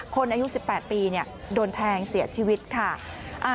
คนอายุ๑๘ปีโดนแทงเสียชีวิตค่ะ